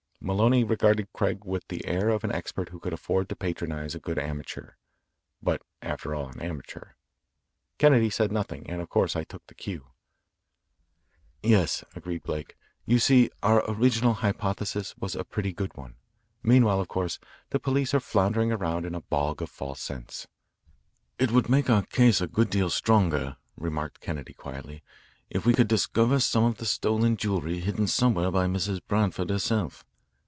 Maloney regarded Craig with the air of an expert who could afford to patronise a good amateur but after all an amateur. Kennedy said nothing, and of course I took the cue. "Yes," agreed Blake, "you see, our original hypothesis was a pretty good one. Meanwhile, of course, the police are floundering around in a bog of false scents." "It would make our case a good deal stronger," remarked Kennedy quietly, "if we could discover some of the stolen jewellery hidden somewhere by Mrs. Branford herself."